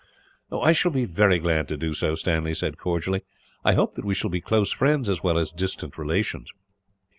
"I shall be very glad to do so," Stanley said, cordially. "I hope that we shall be close friends, as well as distant relations."